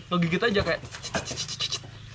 ngegigit aja kayak